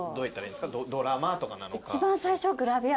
ドラマとかなのか。